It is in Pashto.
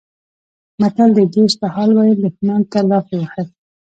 متل دی: دوست ته حال ویل دښمن ته لافې وهل